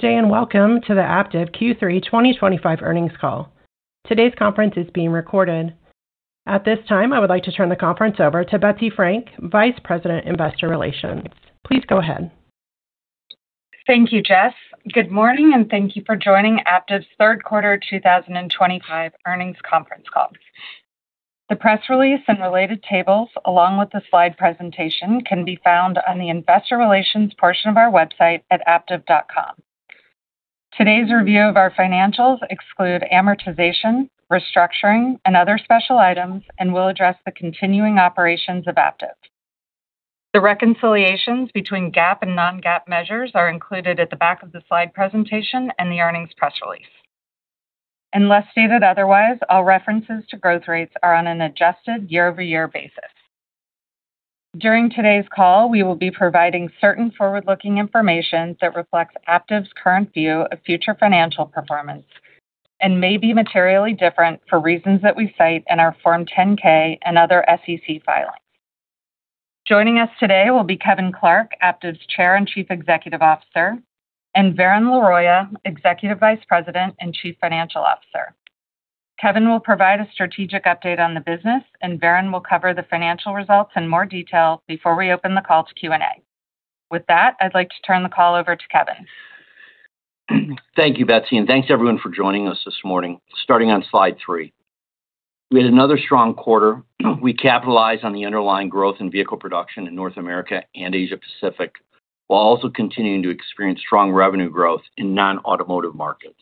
Good day and welcome to the Aptiv Q3 2025 earnings call. Today's conference is being recorded. At this time, I would like to turn the conference over to Betsy Frank, Vice President, Investor Relations. Please go ahead. Thank you, Jeff. Good morning and thank you for joining Aptiv's third quarter 2025 earnings conference call. The press release and related tables, along with the slide presentation, can be found on the Investor Relations portion of our website at aptiv.com. Today's review of our financials excludes amortization, restructuring, and other special items and will address the continuing operations of Aptiv. The reconciliations between GAAP and non-GAAP measures are included at the back of the slide presentation and the earnings press release. Unless stated otherwise, all references to growth rates are on an adjusted year-over-year basis. During today's call, we will be providing certain forward-looking information that reflects Aptiv's current view of future financial performance and may be materially different for reasons that we cite in our Form 10-K and other SEC filings. Joining us today will be Kevin Clark, Aptiv's Chair and Chief Executive Officer, and Varun Laroyia, Executive Vice President and Chief Financial Officer. Kevin will provide a strategic update on the business, and Varun will cover the financial results in more detail before we open the call to Q&A. With that, I'd like to turn the call over to Kevin. Thank you, Betsy, and thanks everyone for joining us this morning. Starting on Slide three, we had another strong quarter. We capitalized on the underlying growth in vehicle production in North America and Asia Pacific while also continuing to experience strong revenue growth in non-automotive markets.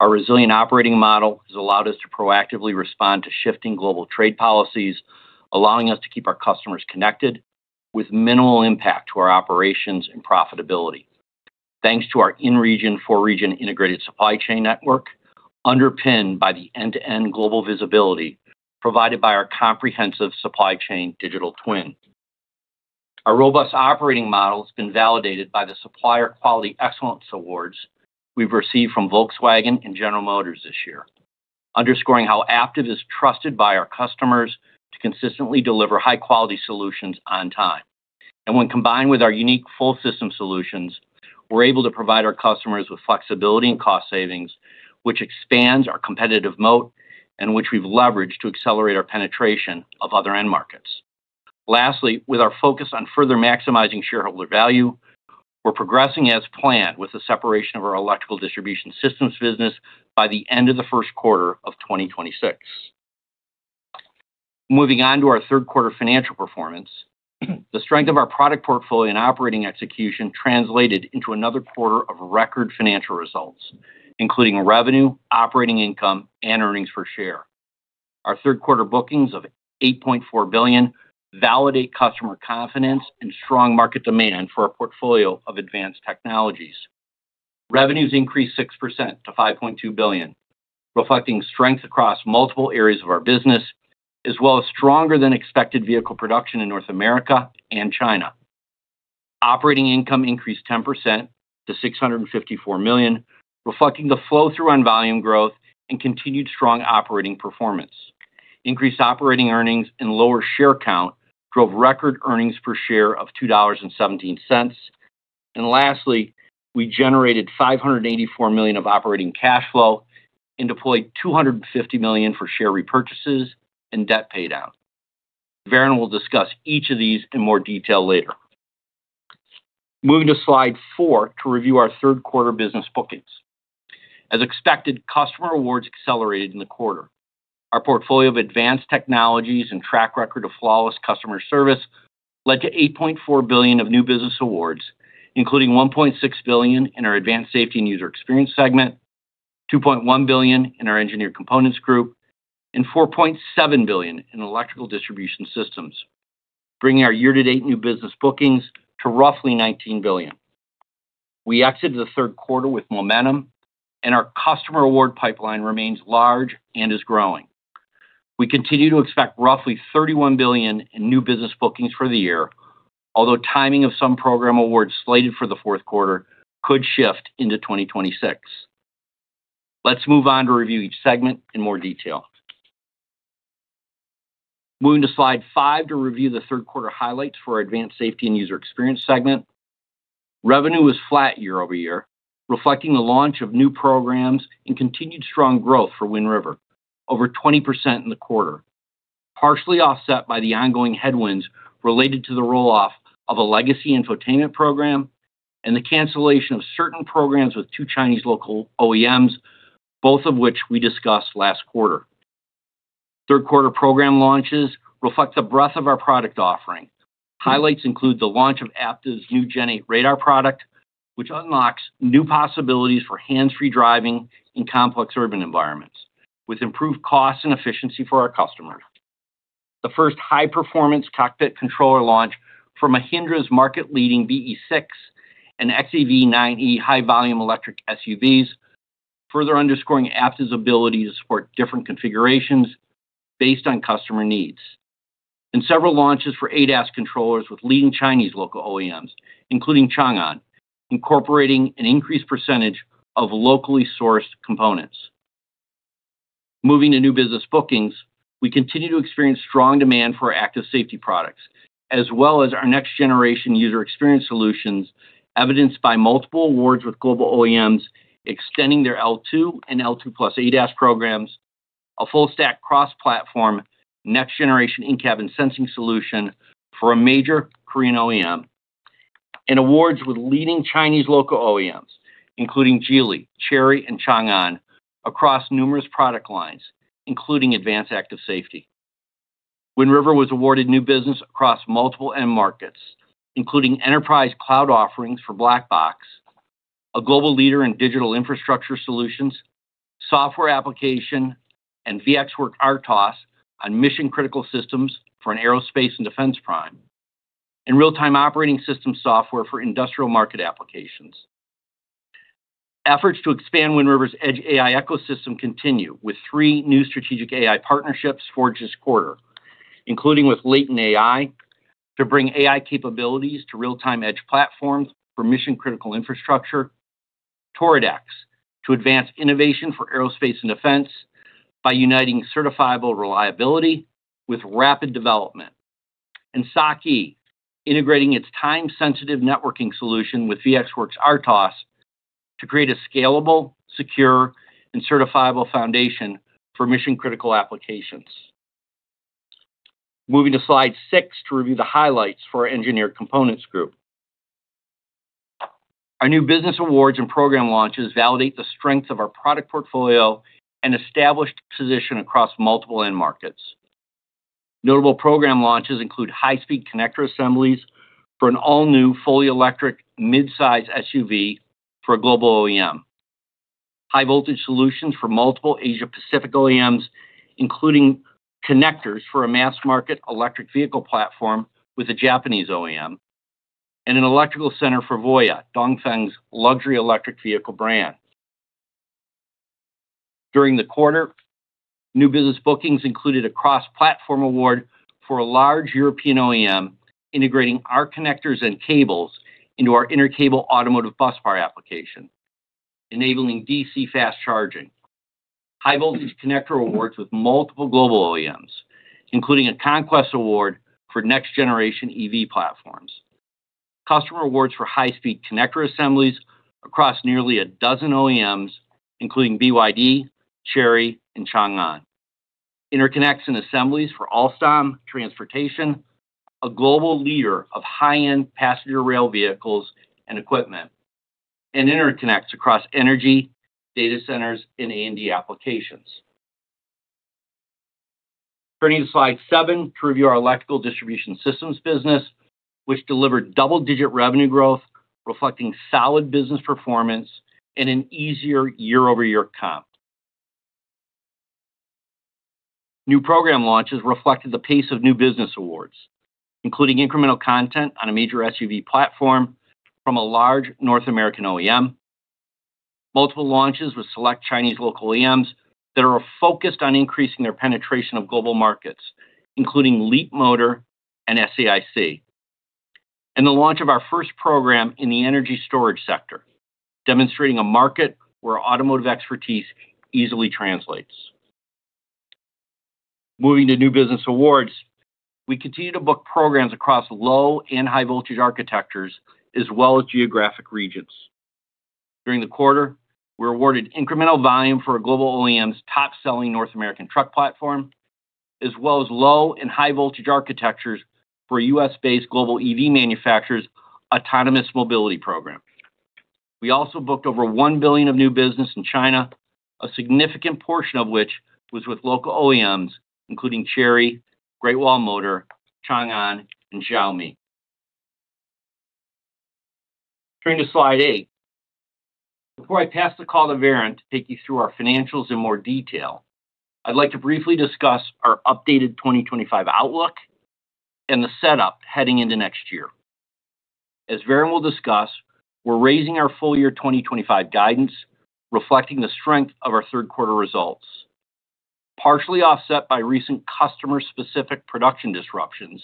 Our resilient operating model has allowed us to proactively respond to shifting global trade policies, allowing us to keep our customers connected with minimal impact to our operations and profitability thanks to our in-region for region integrated supply chain network underpinned by the end-to-end global visibility provided by our comprehensive supply chain digital twin. Our robust operating model has been validated by the supplier Quality Excellence awards we've received from Volkswagen and General Motors this year, underscoring how Aptiv is trusted by our customers to consistently deliver high-quality solutions on time, and when combined with our unique full system solutions, we're able to provide our customers with flexibility and cost savings, which expands our competitive moat and which we've leveraged to accelerate our penetration of other end markets. Lastly, with our focus on further maximizing shareholder value, we're progressing as planned with the separation of our Electrical Distribution Systems business by the end of the first quarter of 2026. Moving on to our third quarter financial performance, the strength of our product portfolio and operating execution translated into another quarter of record financial results including revenue, operating income, and earnings per share. Our third quarter bookings of $8.4 billion validate customer confidence and strong market demand for a portfolio of advanced technologies. Revenues increased 6% to $5.2 billion, reflecting strength across multiple areas of our business as well as stronger than expected vehicle production in North America and China. Operating income increased 10% to $654 million, reflecting the flow through on volume growth and continued strong operating performance. Increased operating earnings and lower share count drove record earnings per share of $2.17, and lastly, we generated $584 million of operating cash flow and deployed $250 million for share repurchases and debt paydown. Varun will discuss each of these in more detail later. Moving to Slide four to review our third quarter business bookings, as expected, customer awards accelerated in the quarter. Our portfolio of advanced technologies and track record of flawless customer service led to $8.4 billion of new business awards, including $1.6 billion in our Advanced Safety and User Experience segment, $2.1 billion in our Engineered Components Group, and $4.7 billion in Electrical Distribution Systems, bringing our year-to-date new business bookings to roughly $19 billion. We exited the third quarter with momentum, and our customer award pipeline remains large and is growing. We continue to expect roughly $31 billion in new business bookings for the year, although timing of some program awards slated for the fourth quarter could shift into 2026. Let's move on to review each segment in more detail. Moving to Slide five to review the third quarter highlights for our Advanced Safety and User Experience segment. Revenue was flat year-over-year, reflecting the launch of new programs and continued strong growth for Wind River, over 20% in the quarter, partially offset by the ongoing headwinds related to the roll-off of a legacy infotainment program and the cancellation of certain programs with two Chinese local OEMs, both of which we discussed last quarter. Third quarter program launches reflect the breadth of our product offering. Highlights include the launch of Aptiv's new Gen 8 radar product, which unlocks new possibilities for hands-free driving in complex urban environments with improved cost and efficiency for our customers. The first high-performance cockpit controller launch from Mahindra's market-leading VE6 and XAV9E high-volume electric SUVs further underscores Aptiv's ability to support different configurations based on customer needs, and several launches for ADAS controllers with leading Chinese local OEMs, including Chang'an, incorporating an increased percentage of locally sourced components. Moving to new business bookings, we continue to experience strong demand for Active Safety products as well as our next-generation User Experience solutions, evidenced by multiple awards with global OEMs extending their L2 and L2+ ADAS programs, a full stack cross-platform next-generation in-cabin sensing solution for a major Korean OEM, and awards with leading Chinese local OEMs including Geely, Chery, and Chang'an across numerous product lines, including Advanced Active Safety. Wind River was awarded new business across multiple end markets including enterprise cloud offerings for Black Box, a global leader in digital infrastructure solutions, software application and VxWorks RTOS on mission critical systems for an aerospace and defense prime and real time operating system software for industrial market applications. Efforts to expand Wind River's edge AI ecosystem continue with three new strategic AI partnerships forged this quarter including with Latent AI to bring AI capabilities to real time edge platforms for mission critical infrastructure, Toradex to advance innovation for aerospace and defense by uniting certifiable reliability with rapid development, and Saki integrating its time sensitive networking solution with VxWorks RTOS to create a scalable, secure, and certifiable foundation for mission critical applications. Moving to Slide six to review the highlights for our Engineered Components Group. Our new business awards and program launches validate the strength of our product portfolio and established position across multiple end markets. Notable program launches include high speed connector assemblies for an all new fully electric mid size SUV for a global OEM, high voltage solutions for multiple Asia Pacific OEMs including connectors for a mass market electric vehicle platform with a Japanese OEM, and an electrical center for Voyah Dongfeng's luxury electric vehicle brand. During the quarter, new business bookings included a cross platform award for a large European OEM integrating our connectors and cables into our intercable automotive bus bar application, enabling DC fast charging, high voltage connector awards with multiple global OEMs including a conquest award for next generation EV platforms, customer awards for high speed connector assemblies across nearly a dozen OEMs including BYD, Chery, and Chang'an, interconnects and assemblies for Alstom Transportation, a global leader of high end passenger rail vehicles and equipment, and interconnects across energy, data centers, and A and D applications. Turning to Slide seven to review our Electrical Distribution Systems business, which delivered double digit revenue growth reflecting solid business performance and an easier year-over-year comp. New program launches reflected the pace of new business awards, including incremental content on a major SUV platform from a large North American OEM, multiple launches with select Chinese local OEMs that are focused on increasing their penetration of global markets including Leapmotor and SAIC, and the launch of our first program in the energy storage sector, demonstrating a market where automotive expertise easily translates. Moving to new business awards, we continue to book programs across low and high voltage architectures as well as geographic regions. During the quarter, we were awarded incremental volume for a global OEM's top selling North American truck platform as well as low and high voltage architectures for U.S. based global EV manufacturers' autonomous mobility program. We also booked over $1 billion of new business in China, a significant portion of which was with local OEMs including Chery, Great Wall Motor, Chang'an, and Xiaomi. Turning to Slide eight before I pass the call to Varun to take you through our financials in more detail, I'd like to briefly discuss our updated 2025 outlook and the setup heading into next year. As Varun will discuss, we're raising our full year 2025 guidance reflecting the strength of our third quarter results, partially offset by recent customer specific production disruptions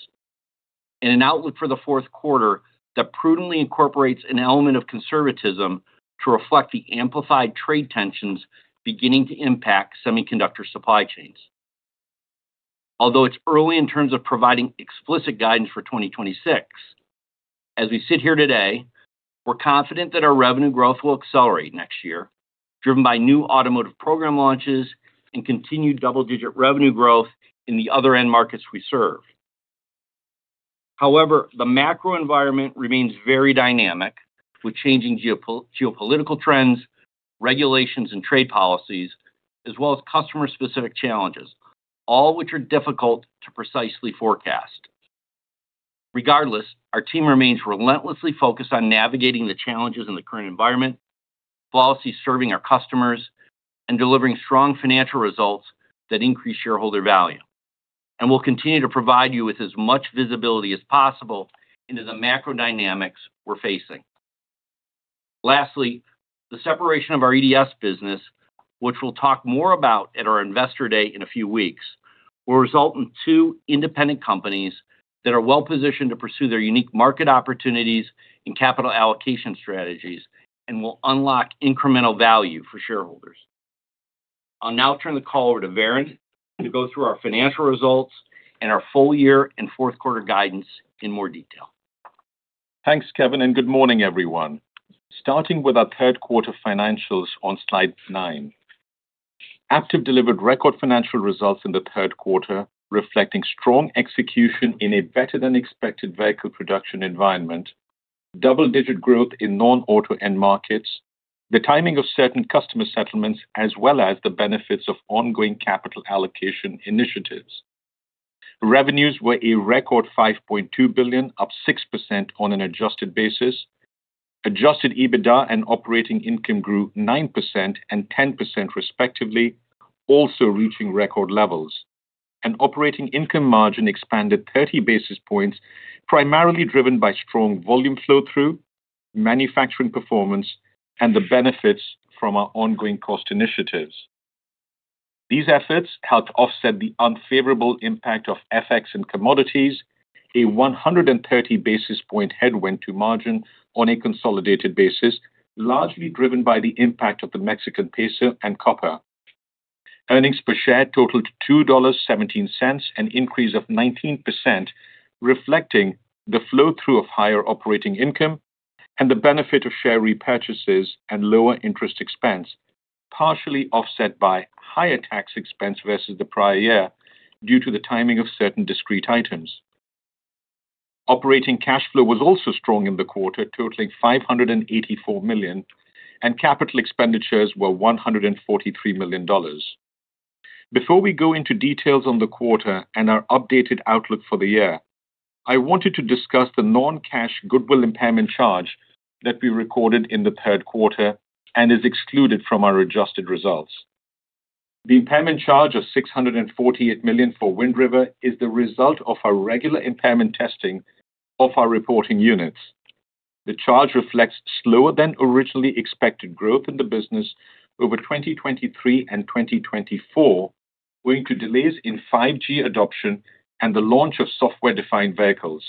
and an outlook for the fourth quarter that prudently incorporates an element of conservatism to reflect the amplified trade tensions beginning to impact semiconductor supply chains. Although it's early in terms of providing explicit guidance for 2026, as we sit here today, we're confident that our revenue growth will accelerate next year, driven by new automotive program launches and continued double digit revenue growth in the other end markets we serve. However, the macro environment remains very dynamic with changing geopolitical trends, regulations, and trade policies, as well as customer specific challenges, all of which are difficult to precisely forecast. Regardless, our team remains relentlessly focused on navigating the challenges in the current environment, serving our customers, and delivering strong financial results that increase shareholder value. We'll continue to provide you with as much visibility as possible into the macro dynamics we're facing. Lastly, the separation of our Electrical Distribution Systems business, which we'll talk more about at our Investor Day in a few weeks, will result in two independent companies that are well positioned to pursue their unique market opportunities and capital allocation strategies and will unlock incremental value for shareholders. I'll now turn the call over to Varun to go through our financial results and our full year and fourth quarter guidance in more detail. Thanks Kevin and good morning everyone. Starting with our third quarter financials on Slide nine, Aptiv delivered record financial results in the third quarter, reflecting strong execution in a better than expected vehicle production environment, double digit growth in non auto end markets, the timing of certain customer settlements, as well as the benefits of ongoing capital allocation initiatives. Revenues were a record $5.2 billion, up 6% on an adjusted basis. Adjusted EBITDA and operating income grew 9% and 10% respectively, also reaching record levels, and operating income margin expanded 30 basis points, primarily driven by strong volume flow through, manufacturing performance, and the benefits from our ongoing cost initiatives. These efforts helped offset the unfavorable impact of FX and commodities, a 130 basis point headwind to margin on a consolidated basis, largely driven by the impact of the Mexican peso and copper. Earnings per share totaled $2.17, an increase of 19%, reflecting the flow through of higher operating income and the benefit of share repurchases and lower interest expenses, partially offset by higher tax expense versus the prior year due to the timing of certain discrete items. Operating cash flow was also strong in the quarter, totaling $584 million, and capital expenditures were $143 million. Before we go into details on the quarter and our updated outlook for the year, I wanted to discuss the non cash goodwill impairment charge that we recorded in the third quarter and is excluded from our adjusted results. The impairment charge of $648 million for Wind River is the result of our regular impairment testing of our reporting units. The charge reflects slower than originally expected growth in the business over 2023 and 2024 owing to delays in 5G adoption and the launch of software defined vehicles.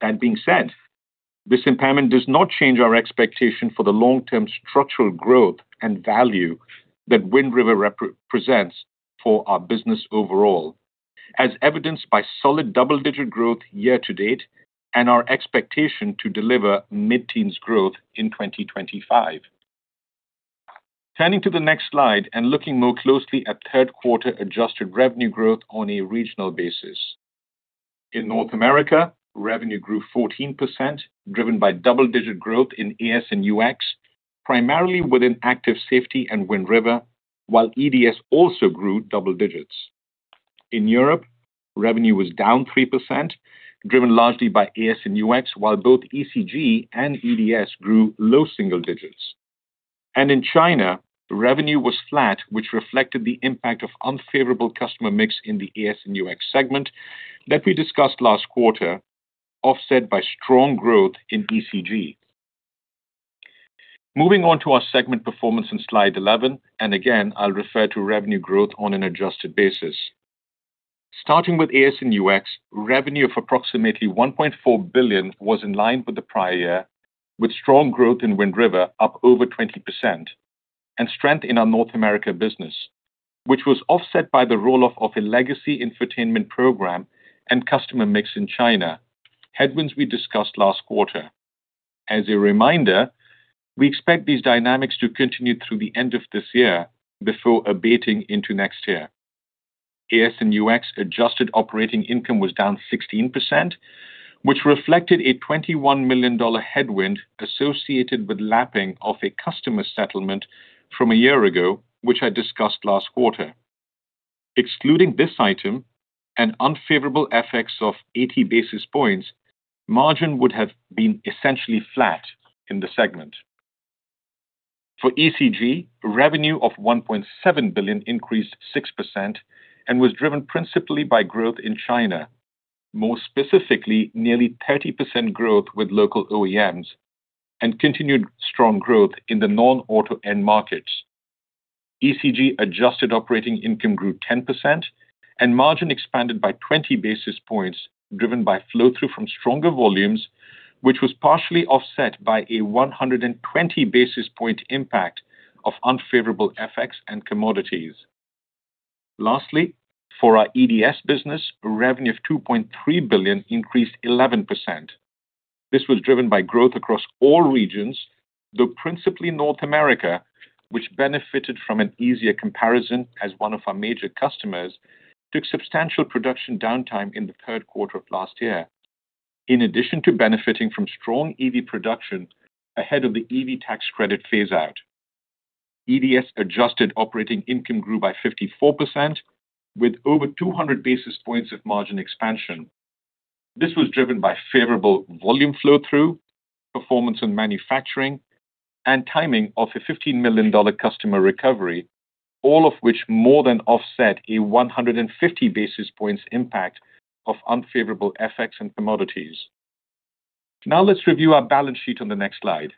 That being said, this impairment does not change our expectation for the long term structural growth and value that Wind River represents for our business overall, as evidenced by solid double digit growth year-to-date and our expectation to deliver mid teens growth in 2025. Turning to the next slide and looking more closely at third quarter adjusted revenue growth on a regional basis, in North America revenue grew 14% driven by double digit growth in EDS and UX, primarily within Active Safety and Wind River, while EDS also grew double digits. In Europe, revenue was down 3% driven largely by Advanced Safety and User Experience, while both Engineered Components Group and Electrical Distribution Systems grew low single digits. In China, revenue was flat, which reflected the impact of unfavorable customer mix in the Advanced Safety and User Experience segment that we discussed last quarter, offset by strong growth in Engineered Components Group. Moving on to our segment performance in slide 11, and again I'll refer to revenue growth on an adjusted basis, starting with Advanced Safety and User Experience. Revenue of approximately $1.4 billion was in line with the prior year, with strong growth in Wind River up over 20% and strength in our North America business, which was offset by the roll-off of a legacy infotainment program and customer mix in China headwinds we discussed last quarter. As a reminder, we expect these dynamics to continue through the end of this year before abating into next year. Advanced Safety and User Experience adjusted operating income was down 16%, which reflected a $21 million headwind associated with lapping of a customer settlement from a year ago, which I discussed last quarter. Excluding this item, an unfavorable FX of 80 basis points, margin would have been essentially flat in the segment. For Engineered Components Group, revenue of $1.7 billion increased 6% and was driven principally by growth in China, more specifically nearly 30% growth with local OEMs and continued strong growth in the non-auto end markets. Engineered Components Group adjusted operating income grew 10% and margin expanded by 20 basis points, driven by flow through from stronger volumes, which was partially offset by a 120 basis point impact of unfavorable FX and commodities. Lastly, for our Electrical Distribution Systems business, revenue of $2.3 billion increased 11%. This was driven by growth across all regions, though principally North America, which benefited from an easier comparison as one of our major customers took substantial production downtime in the third quarter of last year. In addition to benefiting from strong EV production ahead of the EV tax credit phaseout, Electrical Distribution Systems adjusted operating income grew by 54% with over 200 basis points of margin expansion. This was driven by favorable volume flow through, performance in manufacturing, and timing of a $15 million customer recovery, all of which more than offset a 150 basis points impact of unfavorable FX and commodities. Now let's review our balance sheet on the next slide.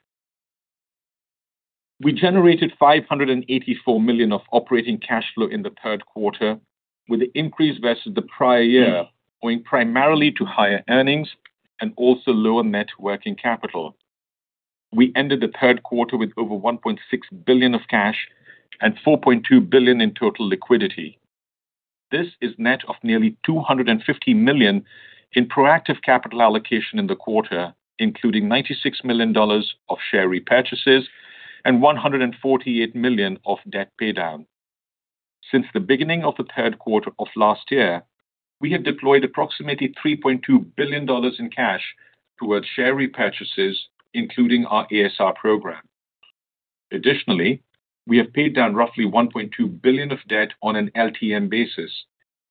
We generated $584 million of operating cash flow in the third quarter, with the increase versus the prior year owing primarily to higher earnings and also lower net working capital. We ended the third quarter with over $1.6 billion of cash and $4.2 billion in total liquidity. This is net of nearly $250 million in proactive capital allocation in the quarter, including $96 million of share repurchases and $148 million of debt paydown. Since the beginning of the third quarter of last year, we have deployed approximately $3.2 billion in cash towards share repurchases, including our ASR program. Additionally, we have paid down roughly $1.2 billion of debt on an LTM basis,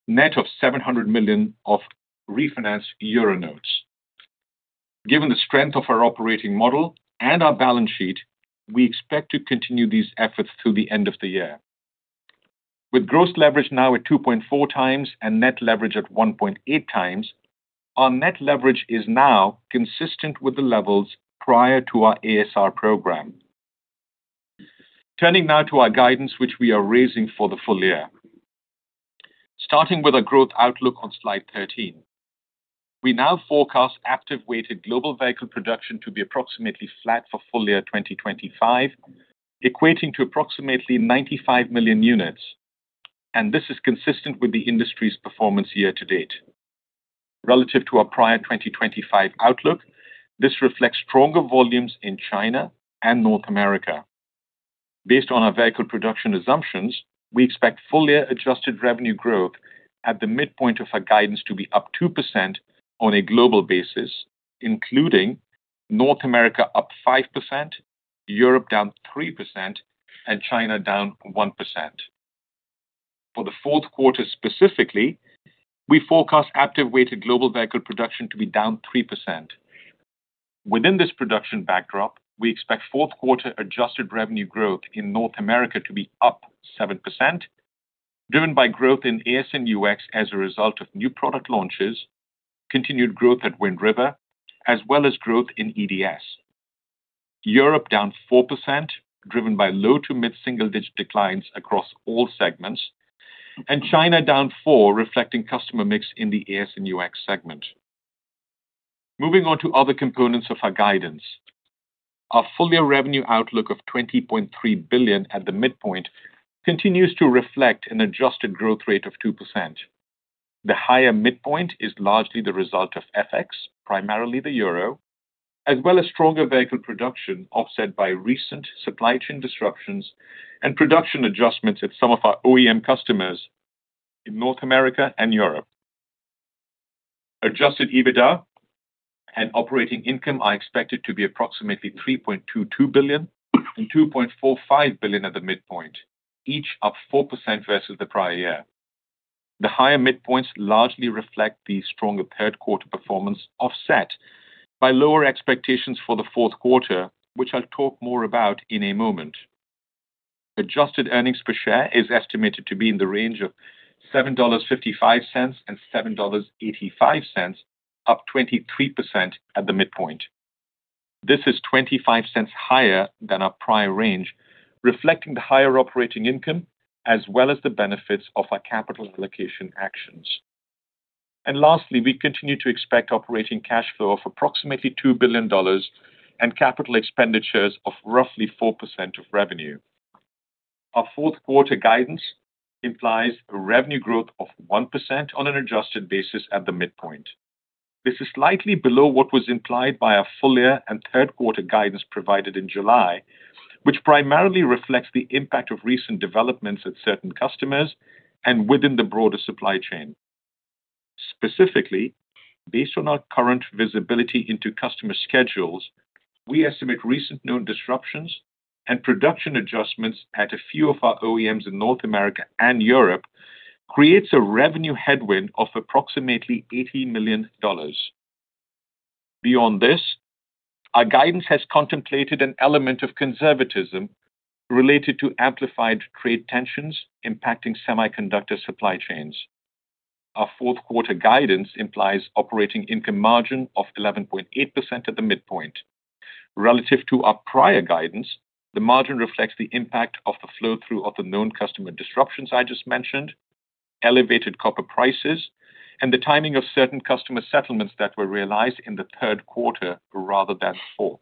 net of $700 million of refinanced euro notes. Given the strength of our operating model and our balance sheet, we expect to continue these efforts through the end of the year, with gross leverage now at 2.4x and net leverage at 1.8x. Our net leverage is now consistent with the levels prior to our ASR program. Turning now to our guidance, which we are raising for the full year, starting with a growth outlook on Slide 13, we now forecast active weighted global vehicle production to be approximately flat for full year 2025, equating to approximately 95 million units, and this is consistent with the industry's performance year to date relative to our prior 2025 outlook. This reflects stronger volumes in China and North America. Based on our vehicle production assumptions, we expect full year adjusted revenue growth at the midpoint of our guidance to be up 2% on a global basis, including North America up 5%, Europe down 3%, and China down 1% for the fourth quarter. Specifically, we forecast active weighted global vehicle production to be down 3%. Within this production backdrop, we expect fourth quarter adjusted revenue growth in North America to be up 7%, driven by growth in AS&UX as a result of new product launches, continued growth at Wind River, as well as growth in EDS. Europe down 4%, driven by low to mid single digit declines across all segments, and China down 4%, reflecting customer mix in the AS&UX segment. Moving on to other components of our guidance, our full year revenue outlook of $20.3 billion at the midpoint continues to reflect an adjusted growth rate of 2%. The higher midpoint is largely the result of FX, primarily the euro, as well as stronger vehicle production offset by recent supply chain disruptions and production adjustments at some of our OEM customers in North America and Europe. Adjusted EBITDA and operating income are expected to be approximately $3.22 billion and $2.45 billion at the midpoint, each up 4% versus the prior year. The higher midpoints largely reflect the stronger third quarter performance offset by lower expectations for the fourth quarter, which I'll talk more about in a moment. Adjusted earnings per share is estimated to be in the range of $7.55 and $7.85, up 23% at the midpoint. This is $0.25 higher than our prior range, reflecting the higher operating income as well as the benefits of our capital allocation actions. Lastly, we continue to expect operating cash flow of approximately $2 billion and capital expenditures of roughly 4% of revenue. Our fourth quarter guidance implies revenue growth of 1% on an adjusted basis at the midpoint. This is slightly below what was implied by a full year and third quarter guidance provided in July, which primarily reflects the impact of recent developments at certain customers and within the broader supply chain. Specifically, based on our current visibility into customer schedules, we estimate recent known disruptions and production adjustments at a few of our OEMs in North America and Europe creates a revenue headwind of approximately $80 million. Beyond this, our guidance has contemplated an element of conservatism related to amplified trade tensions impacting semiconductor supply chains. Our fourth quarter guidance implies operating income margin of 11.8% at the midpoint relative to our prior guidance. The margin reflects the impact of the flow through of the known customer disruptions I just mentioned, elevated copper prices, and the timing of certain customer settlements that were realized in the third quarter rather than fourth.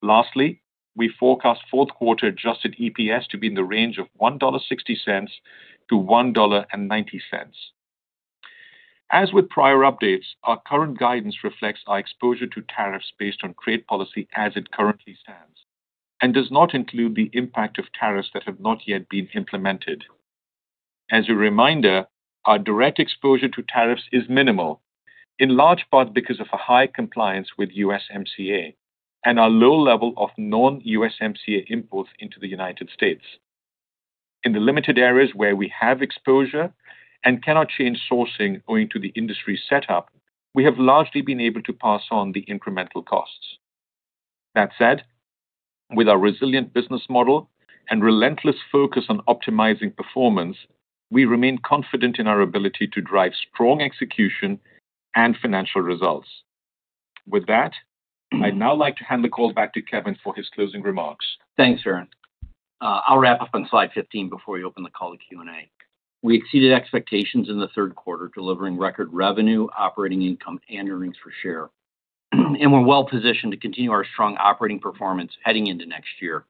Lastly, we forecast fourth quarter adjusted EPS to be in the range of $1.60-$1.90. As with prior updates, our current guidance reflects our exposure to tariffs based on trade policy as it currently stands and does not include the impact of tariffs that have not yet been implemented. As a reminder, our direct exposure to tariffs is minimal in large part because of a high compliance with USMCA and our low level of non-USMCA imports into the United States. In the limited areas where we have exposure and cannot change sourcing owing to the industry setup, we have largely been able to pass on the incremental costs. That said, with our resilient business model and relentless focus on optimizing performance, we remain confident in our ability to drive strong execution and financial results. With that, I'd now like to hand the call back to Kevin for his closing remarks. Thanks, Varun. I'll wrap up on slide 15 before we open the call to Q&A. We exceeded expectations in the third quarter, delivering record revenue, operating income, and earnings per share, and we're well positioned to continue our strong operating performance heading into next year.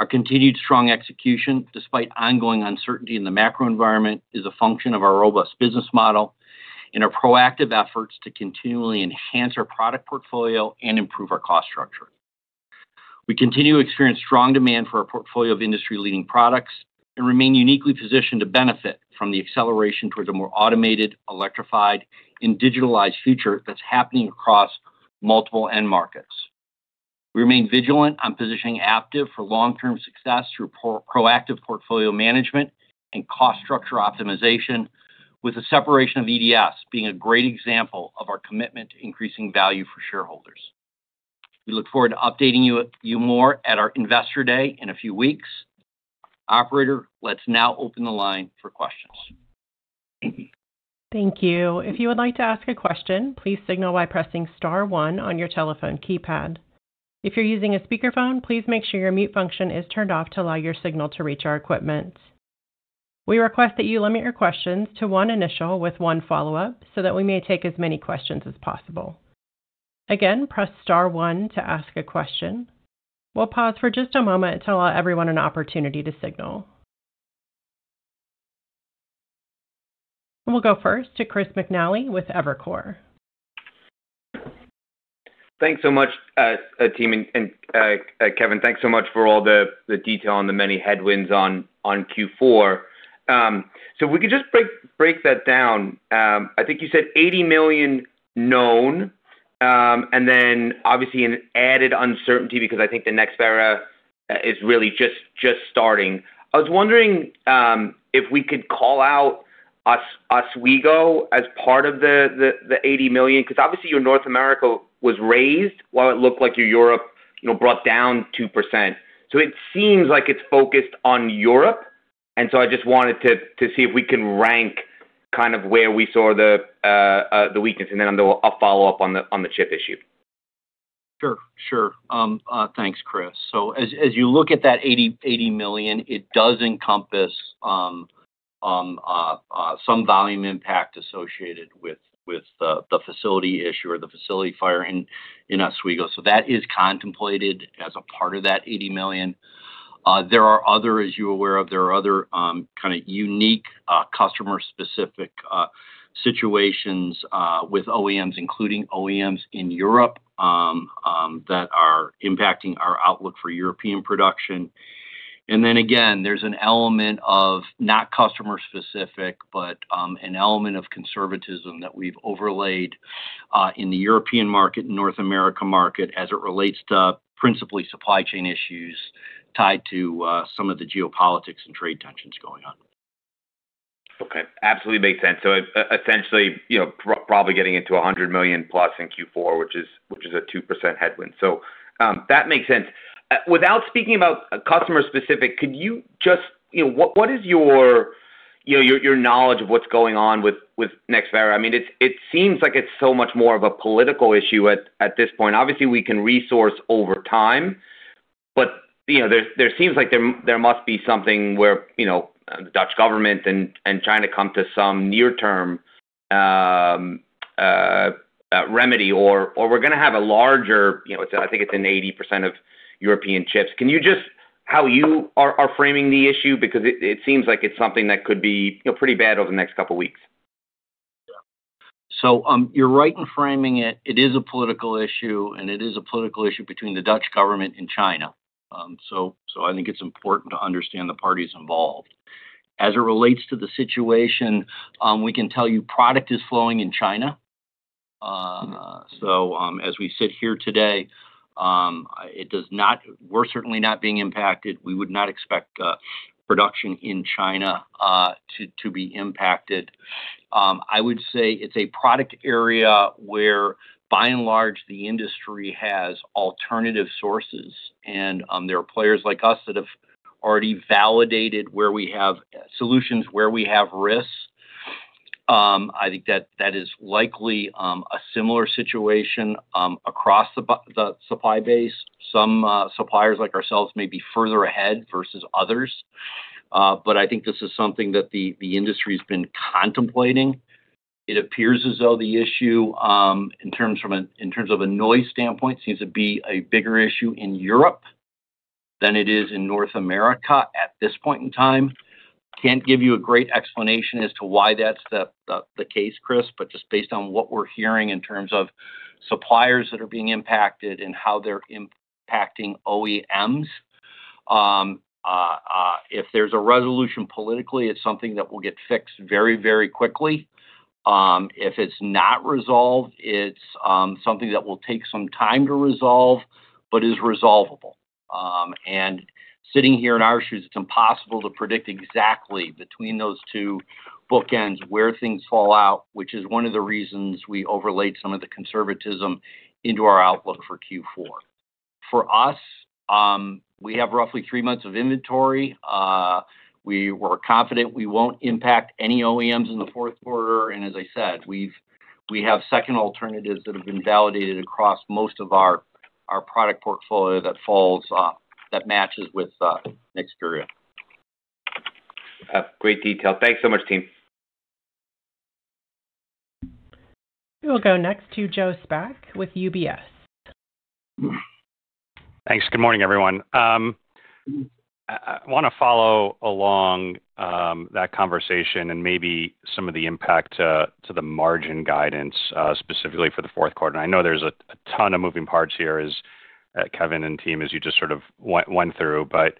Our continued strong execution despite ongoing uncertainty in the macro environment is a function of our robust business model and our proactive efforts to continually enhance our product portfolio and improve our cost structure. We continue to experience strong demand for our portfolio of industry-leading products and remain uniquely positioned to benefit from the acceleration towards a more automated, electrified, and digitalized future that's happening across multiple end markets. We remain vigilant on positioning Aptiv for long-term success through proactive portfolio management and cost structure optimization, with the separation of EDS being a great example of our commitment to increasing value for shareholders. We look forward to updating you more at our investor day in a few weeks. Operator, let's now open the line for questions. Thank you. If you would like to ask a question, please signal by pressing star one on your telephone keypad. If you're using a speakerphone, please make sure your mute function is turned off to allow your signal to reach our equipment. We request that you limit your questions to one initial with one follow-up so that we may take as many questions as possible. Again, press star one to ask a question. We'll pause for just a moment to allow everyone an opportunity to signal. We'll go first to Chris McNally with Evercore. Thanks so much team. Kevin, thanks so much for all the detail on the many headwinds on Q4. If we could just break that down, I think you said $80 million known and then obviously an added uncertainty because I think the Nexperia is really just starting. I was wondering if we could call out Oswego as part of the $80 million because obviously your North America was raised while it looked like your Europe brought down 2%. It seems like it's focused on Europe. I just wanted to see if we can rank kind of where we saw the weakness. I'll follow up on the chip issue. Thanks, Chris. As you look at that $80 million, it does encompass some volume impact associated with the facility issue or the facility fire in Oswego. That is contemplated as a part of that $80 million. There are other, as you're aware of, there are other kind of unique customer specific situations with OEMs, including OEMs in Europe that are impacting our outlook for European production. There's an element of not customer specific but an element of conservatism that we've overlaid in the European market and North America market as it relates to principally supply chain issues tied to some of the geopolitics and trade tensions going on. Okay, absolutely. Makes sense. Essentially probably getting into $100 million plus in Q4, which is a 2% headwind. That makes sense. Without speaking about customer specific, could you just what is your knowledge of what's going on with Nexperia? I mean it seems like it's so much more of a political issue at this point. Obviously we can resource over time, but there seems like there must be something where the Dutch government and China come to some near term remedy or we're. Going to have a larger. I think it's an 80% of European chips. Can you just how you are framing the issue? Because it seems like it's something that could be pretty bad over the next couple of weeks. You're right in framing it. It is a political issue and it is a political issue between the Dutch government and China. I think it's important to understand the parties involved as it relates to the situation. We can tell you product is flowing in China. As we sit here today, it does not. We're certainly not being impacted. We would not expect production in China to be impacted. I would say it's a product area where by and large the industry has alternative sources and there are players like us that have already validated where we have solutions, where we have risks. I think that is likely a similar situation across the supply base. Some suppliers like ourselves may be further ahead versus others, but I think this is something that the industry has been contemplating. It appears as though the issue in terms of a noise standpoint seems to be a bigger issue in Europe than it is in North America at this point in time. Can't give you a great explanation as to why that's the case, Chris, but just based on what we're hearing in terms of suppliers that are being impacted and how they're impacting OEMs, if there's a resolution politically, it's something that will get fixed very, very quickly. If it's not resolved, it's something that will take some time to resolve but is resolvable. Sitting here in our shoes, it's impossible to predict exactly between those two bookends where things fall out. Which is one of the reasons we overlaid some of the conservatism into our outlook for Q4. For us, we have roughly three months of inventory. We were confident we won't impact any OEMs in the fourth quarter. As I said, we have second alternatives that have been validated across most of our product portfolio that matches with Nexperia. Great detail. Thanks so much, team. We will go next to Joe Spak with UBS. Thanks. Good morning everyone. I want to follow along that conversation and maybe some of the impact to the margin guidance specifically for the fourth quarter. I know there's a ton of moving parts here as Kevin and team as you just sort of went through, but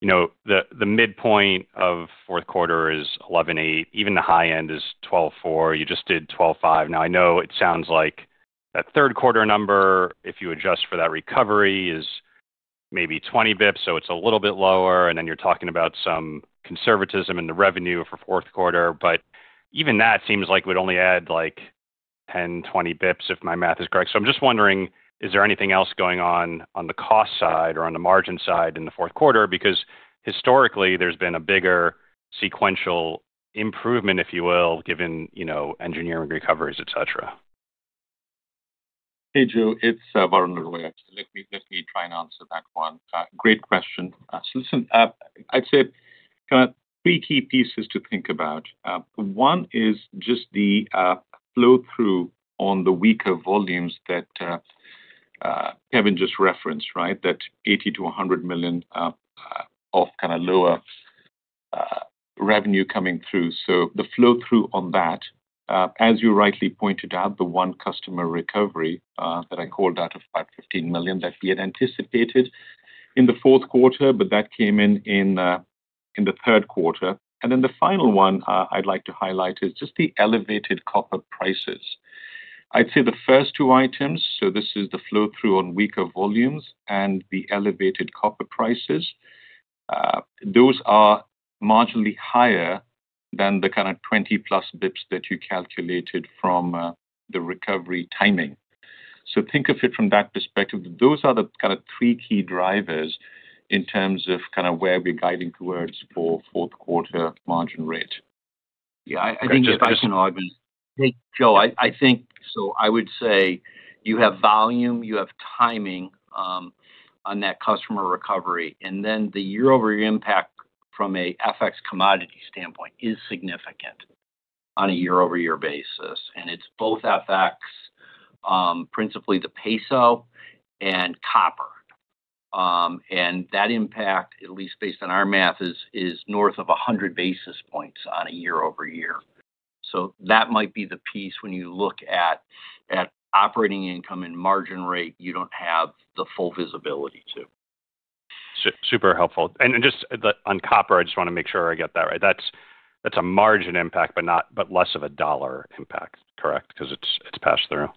you know the midpoint of fourth quarter is 11.8%. Even the high end is 12.4%. You just did 12.5%. Now I know it sounds like that third quarter number, if you adjust for that recovery, is maybe 20 bps, so it's. A little bit lower. You're talking about some conservatism in the revenue for the fourth quarter, but even that seems like it would only add 10, 20 bps if my math is correct. I'm just wondering, is there anything else going on on the cost side or on the margin side in the fourth quarter? Historically, there's been a bigger sequential improvement, if you will, given engineering recoveries, et cetera. Hey Joe, it's Varun Laroyia. Let me try and answer that one great question. I'd say three key pieces to think about. One is just the flow through on the weaker volumes that Kevin just referenced. That $80 million-$100 million of kind of lower revenue coming through. The flow through on that, as you rightly pointed out, the one customer recovery that I called out of about $15 million that we had anticipated in the fourth quarter, but that came in in the third quarter. The final one I'd like to highlight is just the elevated copper prices. I'd say the first two items, the flow through on weaker volumes and the elevated copper prices, those are marginally higher than the kind of 20+ bps that you calculated from the recovery timing. Think of it from that perspective. Those are the three key drivers in terms of where we're guiding towards for fourth quarter margin rate. I think if I can argue, Joe, I think so. I would say you have volume, you have timing on that customer recovery, and then the year-over-year impact from an FX commodity standpoint is significant on a year-over-year basis. It's both FX, principally the peso and copper. That impact, at least based on our math, is north of 100 basis points on a year-over-year. That might be the piece when you look at operating income and margin rate, you don't have the full visibility to. Super helpful. On copper, I just want to make sure I get that right. That's a margin impact, but less of a dollar impact. Correct. Because it's passed through.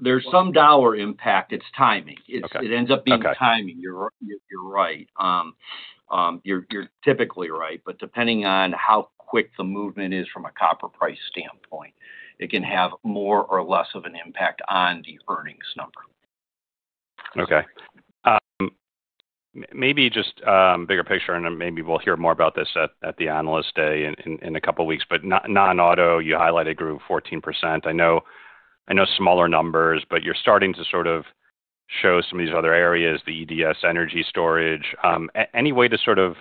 There is some dollar impact. It's timing. It ends up being timing. You're right. You're typically right. Depending on how quick the movement is from a copper price standpoint, it can have more or less of an impact on the earnings number. Okay, maybe just bigger picture and maybe we'll hear more about this at the analyst day in a couple weeks. Non auto you highlighted grew 14%. I know smaller numbers, but you're starting to sort of show some of these other areas. The EDS energy storage. Any way to sort of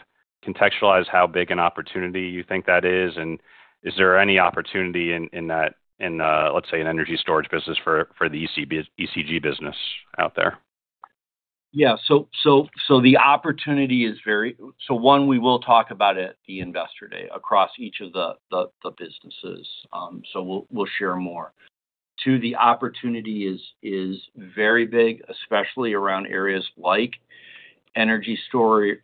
contextualize how big an opportunity you think that is, and is there any opportunity in that, in let's say an energy storage business for the ECG business out there? Yeah. The opportunity is very, so one we will talk about at the investor day across each of the businesses, so we'll share more. Two, the opportunity is very big, especially around areas like energy storage,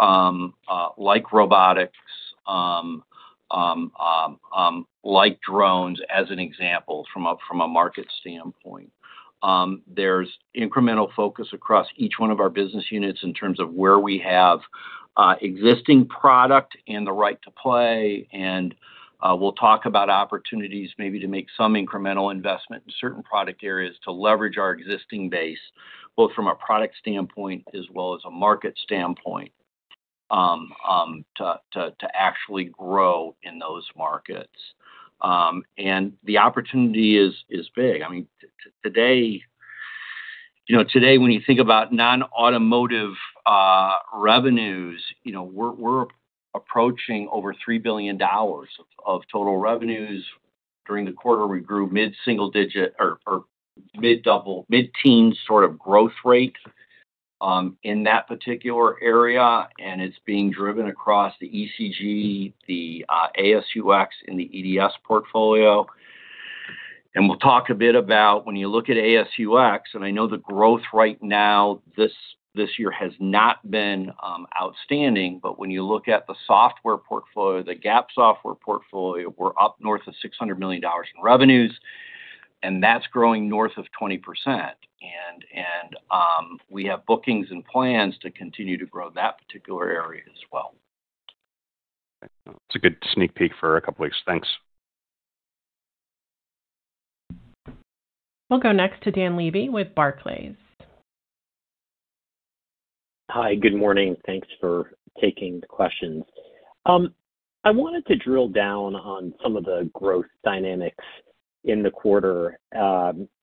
like robotics, like drones, as an example. From a market standpoint, there's incremental focus across each one of our business units in terms of where we have existing product and the right to play. We'll talk about opportunities maybe to make some incremental investment in certain product areas to leverage our existing base both from a product standpoint as well as a market standpoint to actually grow in those markets. The opportunity is big. I mean, today when you think about non-automotive revenues, we're approaching over $3 billion of total revenues. During the quarter, we grew mid-single digit or mid-teens sort of growth rate in that particular area, and it's being driven across the Engineered Components Group, the Advanced Safety and User Experience, and the Electrical Distribution Systems portfolio. We'll talk a bit about when you look at Advanced Safety and User Experience, and I know the growth right now, this year has not been outstanding, but when you look at the software portfolio, the GAP software portfolio, we're up north of $600 million in revenues, and that's growing north of 20%. We have bookings and plans to continue to grow that particular area as well. It's a good sneak peek for a couple weeks. Thanks. We'll go next to Dan Levy with Barclays. Hi, good morning. Thanks for taking the questions. I wanted to drill down on some of the growth dynamics in the quarter.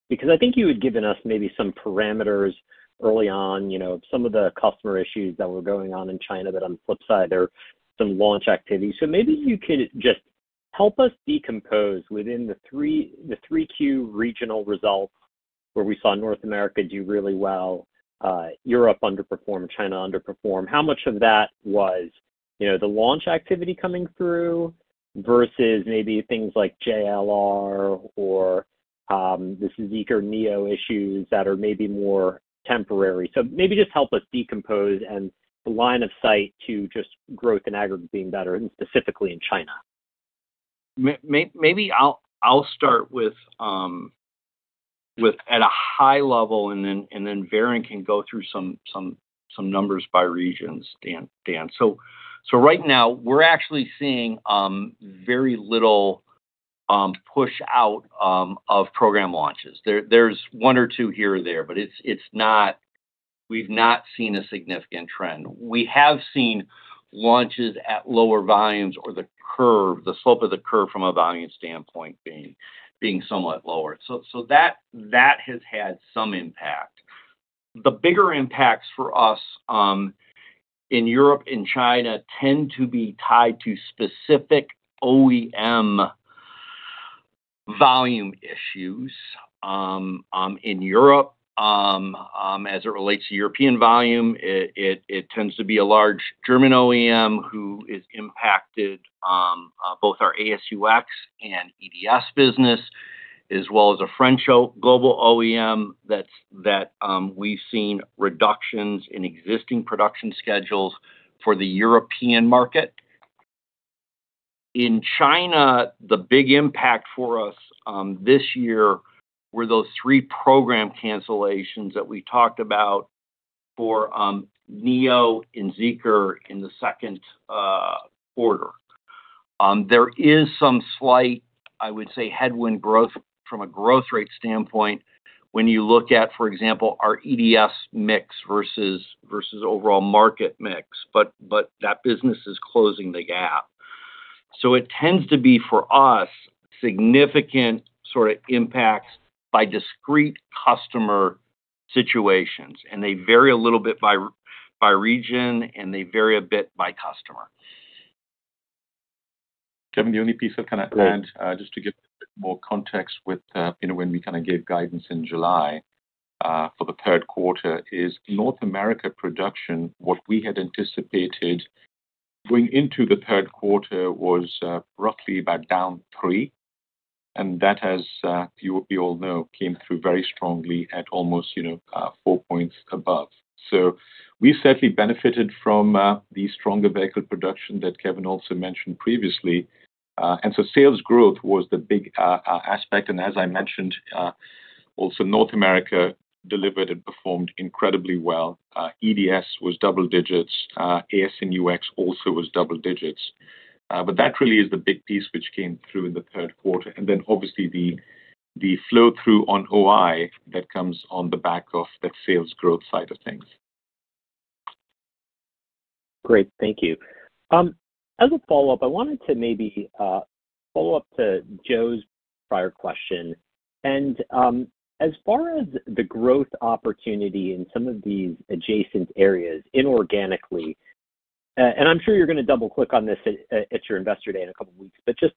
Because I think you had given us maybe some parameters early on, you know, some of the customer issues that were going on in China that on the. Flip side, there's some launch activity. Maybe you could just help us. Decompose within the 3Q regional. Results where we saw North America do really well. Europe underperformed, China underperformed. How much of that was the launch? Activity coming through versus maybe things like JLR or the Zikr NEO issues that are maybe more temporary. Maybe just help us decompose and. The line of sight to just growth in aggregate being better and specifically in China. Maybe I'll start at a high level and then Varun can go through some numbers by regions. Dan, right now we're actually seeing very little push out of program launches. There's one or two here or there, but we've not seen a significant trend. We have seen launches at lower volumes or the slope of the curve from a volume standpoint being somewhat lower. That has had some impact. The bigger impacts for us in Europe and China tend to be tied to specific OEM volume issues. In Europe, as it relates to European volume, it tends to be a large German OEM who is impacted. Both our Advanced Safety and User Experience and Electrical Distribution Systems business, as well as a French global OEM, that we've seen reductions in existing production schedules for the European market. In China, the big impact for us this year were those three program cancellations that we talked about for NIO and Zeekr in the second quarter. There is some slight, I would say, headwind growth from a growth rate standpoint when you look at, for example, our Electrical Distribution Systems mix versus overall market mix. That business is closing the gap. It tends to be for us, significant sort of impacts by discrete customer situations. They vary a little bit by region and they vary a bit by customer. Kevin, the only piece of land, just to give more context with when we kind of gave guidance in July for the third quarter is North America production. What we had anticipated going into the third quarter was roughly about down 3%. That, as we all know, came through very strongly at almost 4 points above. We certainly benefited from the stronger vehicle production that Kevin also mentioned previously. Sales growth was the big aspect. As I mentioned, also North America delivered and performed incredibly well. EDS was double digits, as in UX also was double digits. That really is the big piece which came through in the third quarter. Obviously, the flow through on OI that comes on the back of that sales growth side of things. Great, thank you. As a follow up, I wanted to maybe follow up to Joe's prior question and as far as the growth opportunity in some of these adjacent areas inorganically, I'm sure you're going to double click on this at your investor day in a couple of weeks, just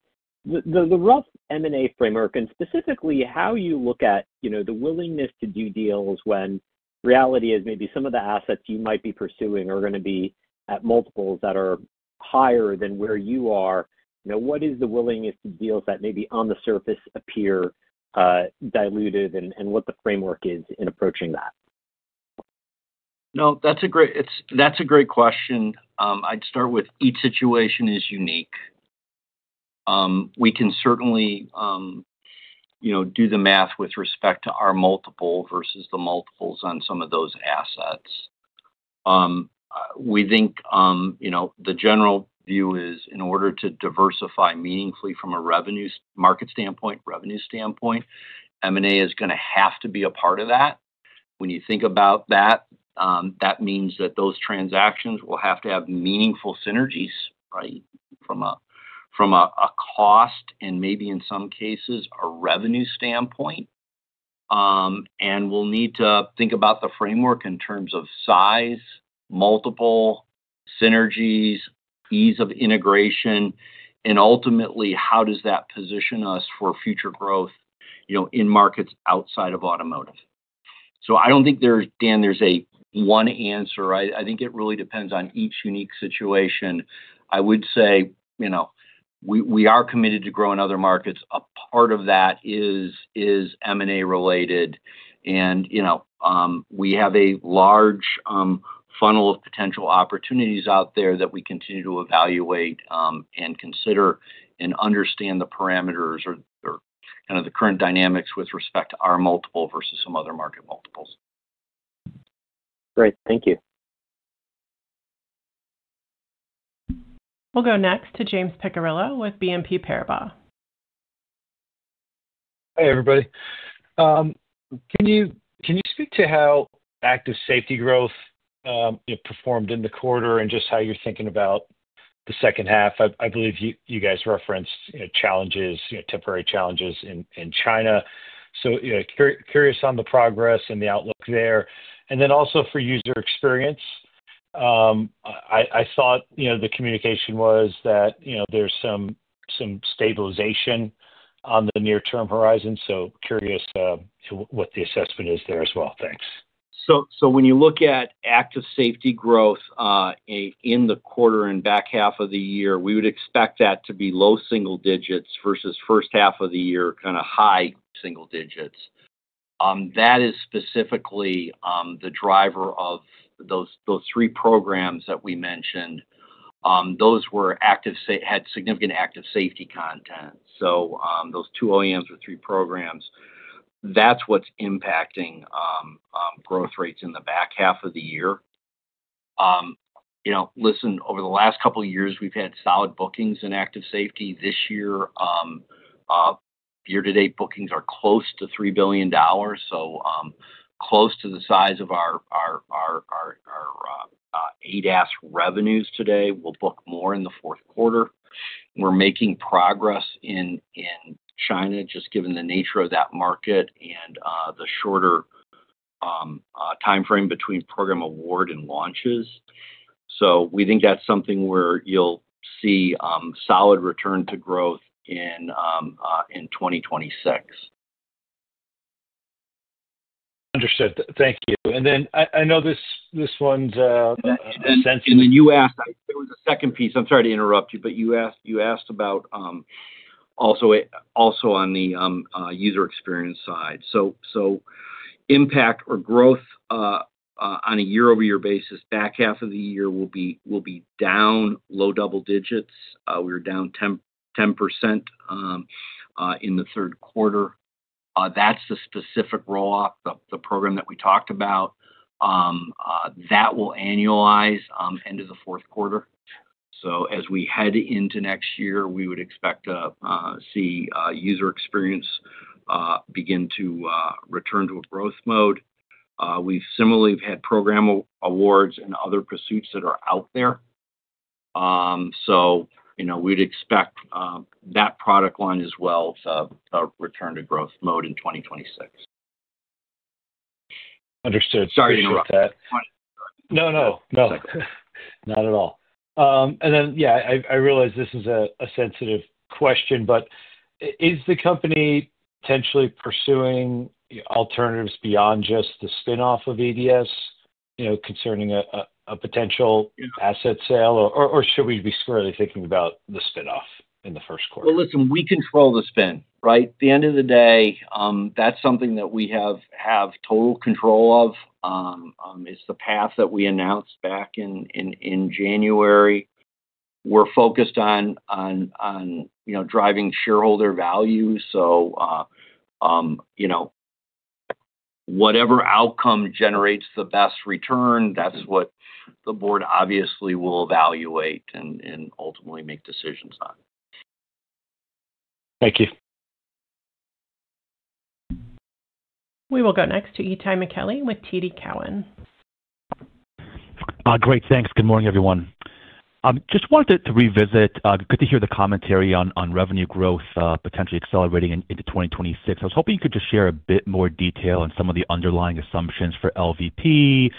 the rough M&A framework and specifically how. You look at the willingness to do. Deals when reality is maybe some of the assets you might be pursuing are. Going to be at multiples that are. Higher than where you are. What is the willingness to do deals that maybe on the surface appear dilutive? What the framework is in approaching that? That's a great question. I'd start with each situation is unique. We can certainly do the math with respect to our multiple versus the multiples on some of those assets. We think the general view is in order to diversify meaningfully from a revenue market standpoint, revenue standpoint, M&A is going to have to be a part of that. When you think about that, that means that those transactions will have to have meaningful synergies, right from a cost and maybe in some cases, a revenue standpoint. We'll need to think about the framework in terms of size, multiple synergies, ease of integration, and ultimately how does that position us for future growth in markets outside of automotive. I don't think there's one answer. I think it really depends on each unique situation. I would say we are committed to grow in other markets. A part of that is M&A related and we have a large funnel of potential opportunities out there that we continue to evaluate and consider and understand the parameters or kind of the current dynamics with respect to our multiple versus some other market multiples. Great, thank you. We'll go next to James Piccirillo with BNP Paribas. Hey everybody, can you speak to how Active Safety growth performed in the quarter and just how you're thinking about the second half? I believe you guys referenced challenges, temporary challenges in China. Curious on the progress and the outlook there and then also for User Experience. I thought the communication was that there's some stabilization on the near term horizon. Curious what the assessment is there as well. Thanks. When you look at Active Safety growth in the quarter and back half of the year, we would expect that to be low single digits versus first half of the year, kind of high single digits. That is specifically the driver of those three programs that we mentioned. Those were active, had significant Active Safety content. Those two OEMs or three programs, that's what's impacting growth rates in the back half of the year. Over the last couple years we've had solid bookings in Active Safety. This year, year to date bookings are close to $3 billion, so close to the size of our ADAS revenues today. We'll book more in the fourth quarter. We're making progress in China just given the nature of that market and the shorter time frame between program award and launches. We think that's something where you'll see solid return to growth in 2026. Understood, thank you. I know this one's and. You asked about also on the User Experience side. Impact or growth on a year-over-year basis back half of the year will be down low double digits. We were down 10% in the third quarter. That's the specific rollout, the program that we talked about, that will annualize end of the fourth quarter. As we head into next year, we would expect to see User Experience begin to return to a growth mode. We've similarly had program awards and other pursuits that are out there. We'd expect that product line as well to return to growth mode in 2026. Understood. Sorry to interrupt that. No, no, not at all. I realize this is a sensitive question, but is the company potentially pursuing alternatives beyond just the spin off of EDS, you know, concerning a potential asset sale, or should we be squarely thinking about the spinoff in the first quarter? We control the spin, right? At the end of the day, that's something that we have total control of. It's the path that we announced back in January. We're focused on driving shareholder value. Whatever outcome generates the best return, that's what the board obviously will evaluate and ultimately make decisions on. Thank you. We will go next to Itay Michaeli with TD Cowen. Great, thanks. Good morning everyone. Just wanted to revisit. Good to hear the commentary on revenue growth potentially accelerating into 2026. I was hoping you could just share a bit more detail on some of the underlying assumptions for LVP.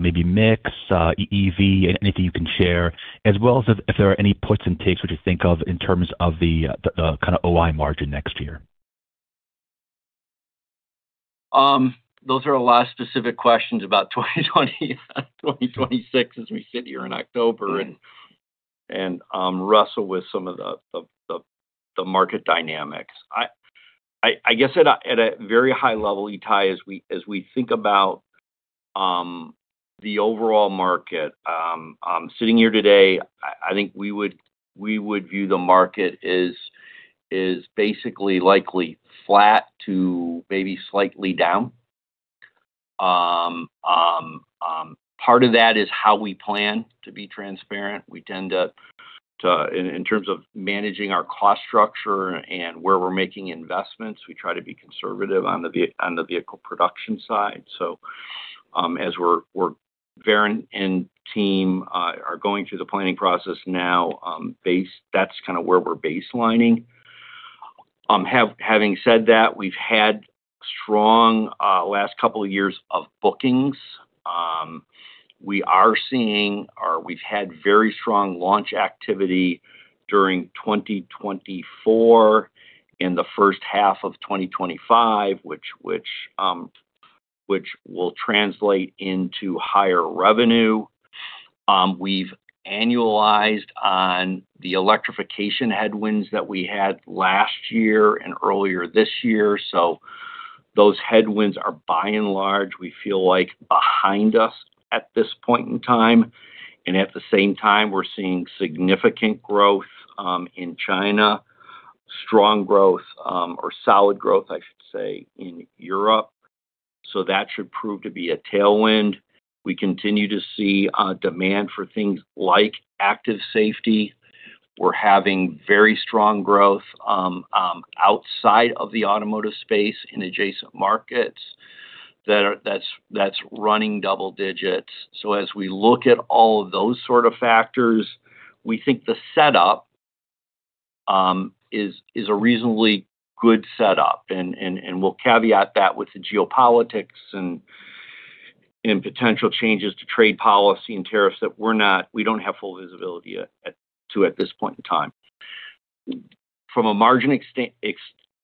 Maybe mix EV, anything you can share as well as if there are any puts and takes. What you think of in terms of the kind of OI margin next year. Those are a lot of specific questions about 2020, 2026 as we sit here in October and wrestle with some of the market dynamics, I guess at a very high level. Itay, as we think about the overall market sitting here today, I think we would view the market as is basically likely flat to maybe slightly down. Part of that is how we plan to be transparent. We tend to in terms of managing our cost structure and where we're making investments. We try to be conservative on the vehicle production side. As Varun and team are going through the planning process now, that's kind of where we're baselining. Having said that, we've had strong last couple of years of bookings. We are seeing or we've had very strong launch activity during 2024, in the first half of 2025, which will translate into higher revenue. We've annualized on the electrification headwinds that we had last year and earlier this year. Those headwinds are by and large we feel like behind us at this point in time. At the same time we're seeing significant growth in China, strong growth or solid growth, I should say, in Europe. That should prove to be a tailwind. We continue to see demand for things like Active Safety. We're having very strong growth outside of the automotive space in adjacent markets that's running double digits. As we look at all of those sort of factors, we think the setup is a reasonably good setup. We'll caveat that with the geopolitics and potential changes to trade policy and tariffs that we don't have full visibility to at this point in time. From a margin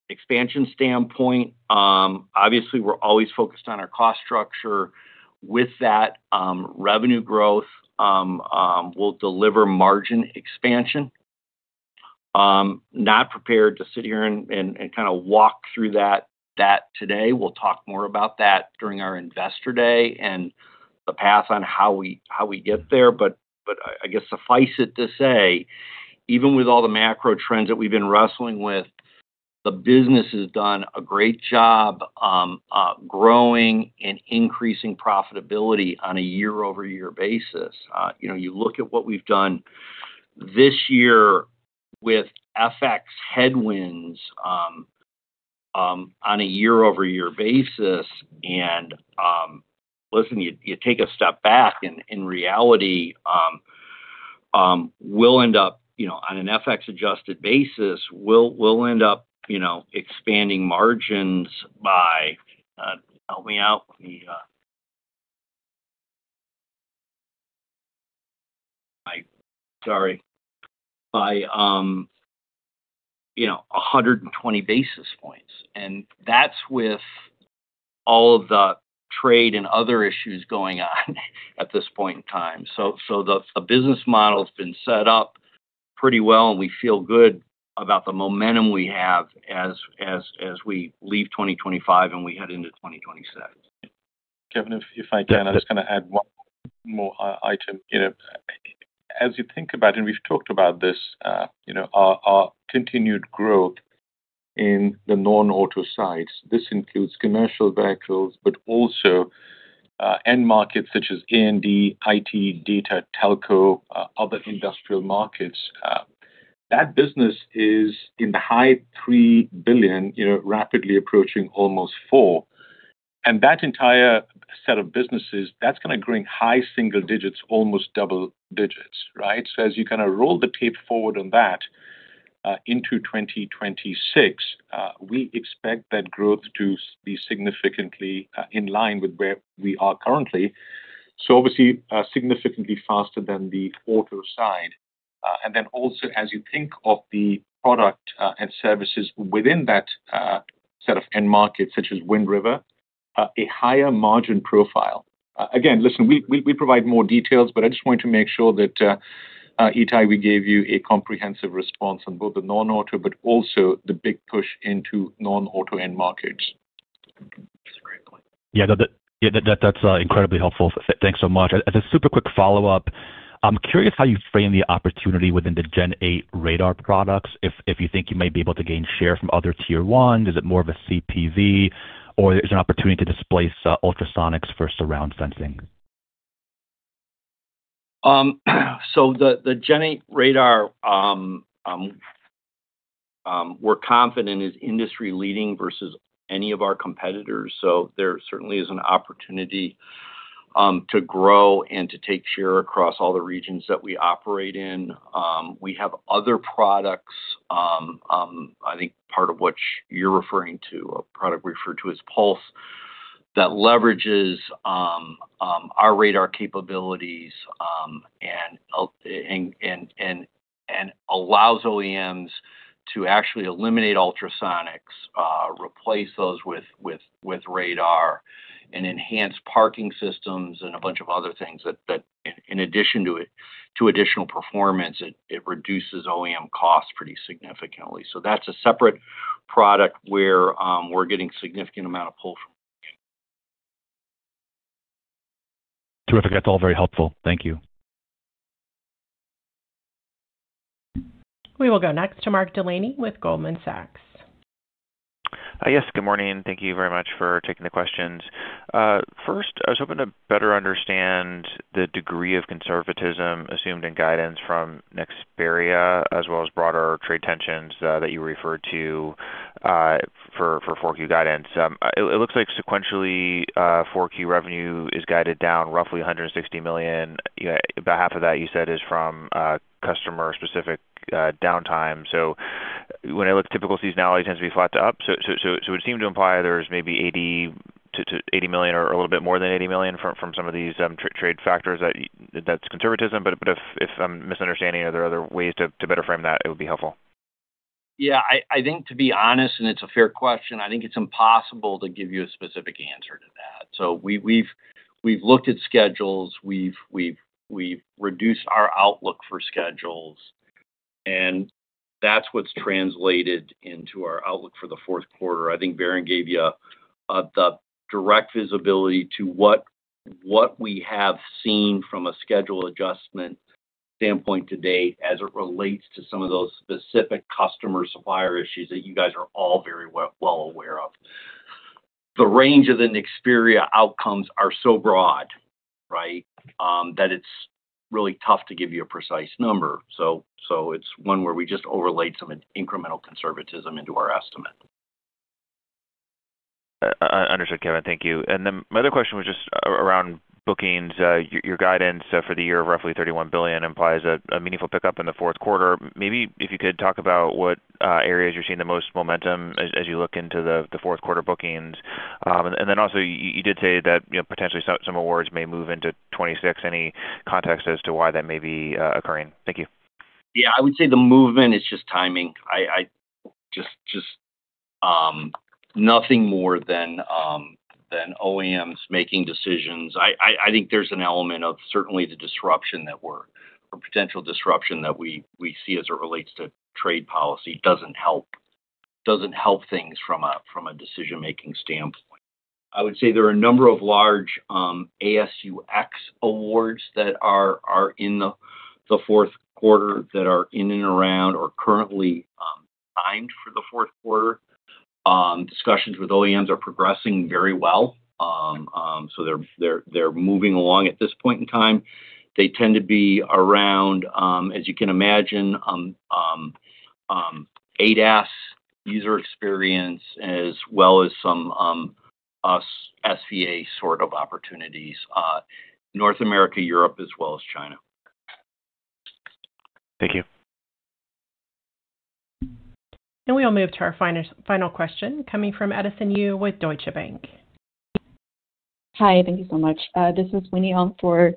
expansion standpoint, obviously we're always focused on our cost structure. With that revenue growth we'll deliver margin expansion. Not prepared to sit here and kind of walk through that today. We'll talk more about that during our investor day and the path on how we get there. I guess suffice it to say even with all the macro trends that we've been wrestling with, the business has done a great job growing and increasing profitability on a year-over-year-basis. You know, you look at what we've done this year with FX headwinds on a year-over-year basis and listen, you take a step back and in reality we'll end up, you know, on an FX adjusted basis we'll end up expanding margins by, help me out, sorry, by 120 basis points. That's with all of the trade and other issues going on at this point in time. The business model has been set up pretty well and we feel good about the momentum we have as we leave 2025 and we head into 2027. Kevin, if I can, I'm just going to add one more item as you think about, and we've talked about this, our continued growth in the non-auto sites. This includes commercial vehicles but also end markets such as A&D IT Data, Telco, other industrial markets. That business is in the high $3 billion, rapidly approaching almost $4 billion, and that entire set of businesses, that's going to be growing high single digits, almost double digits. Right. As you kind of roll the tape forward on that into 2026, we expect that growth to be significantly in line with where we are currently, obviously significantly faster than the auto side. Also, as you think of the product and services within that set of end markets such as Wind River. A higher margin profile. Again, listen, we provide more details, but I just want to make sure that, Itay, we gave you a comprehensive response on both the non-auto but also the big push into non-auto end markets. Yeah, that's incredibly helpful. Thanks so much. As a super quick follow-up, I'm curious how you frame the opportunity within the Gen8 region radar products. If you think you might be able to gain share from other Tier 1, is it more of a CPV or is there an opportunity to displace ultrasonics for surround sensing? The Gen 8 radar we're confident is industry leading versus any of our competitors. There certainly is an opportunity to grow and to take share across all the regions that we operate in. We have other products. I think part of what you're referring to is a product referred to as Pulse, that leverages our radar capabilities and allows OEMs to actually eliminate ultrasonics, replace those with radar and enhance parking systems, and a bunch of other things that, in addition to additional performance, reduces OEM costs pretty significantly. That's a separate product where we're getting significant amount of pull from. Terrific. That's all very helpful, thank you. We will go next to Mark Delaney with Goldman Sachs. Yes, good morning. Thank you very much for taking the questions first. I was hoping to better understand the degree of conservatism assumed in guidance from Nexperia as well as broader trade tensions that you referred to for 4Q guidance. It looks like sequentially 4Q revenue is guided down roughly $160 million. About half of that, you said, is from customer specific downtime. When I look, typical seasonality tends to be flat to up. It seemed to imply there's maybe $80 million or a little bit more than $80 million from some of these trade factors. That's conservatism. If I'm misunderstanding, are there other ways to better frame that, it would be helpful? Yeah, I think, to be honest, it's a fair question. I think it's impossible to give you a specific answer to that. We've looked at schedules, we've reduced our outlook for schedules, and that's what's translated into our outlook for the fourth quarter. I think Varun gave you the direct visibility to what we have seen from a schedule adjustment standpoint to date as it relates to some of those specific customer supplier issues that you guys are all very well aware of. The range of the Nexperia outcomes are so broad that it's really tough to give you a precise number. It's one where we just overlaid some incremental conservatism into our estimate. Understood, Kevin, thank you. My other question was just around bookings, your guidance for the year of roughly $31 billion implies a meaningful pickup in the fourth quarter. Maybe if you could talk about what areas you're seeing the most momentum as you look into the fourth quarter bookings, and then also you did say that potentially some awards may move into 2026. Any context as to why that may be occurring? Thank you. Yeah, I would say the movement is just timing. Nothing more than OEMs making decisions. I think there's an element of certainly the disruption, the potential disruption that we see as it relates to trade policy doesn't help things from a decision-making standpoint. I would say there are a number of large AS&UX awards that are in the fourth quarter, that are in and around or currently timed for the fourth quarter. Discussions with OEMs are progressing very well. They're moving along at this point in time. They tend to be around, as you can imagine, ADAS, user experience, as well as some SVA sort of opportunities. North America, Europe, as well as China. Thank you. We will move to our final question coming from Edison Yu with Deutsche Bank. Hi, thank you so much. This is winnie for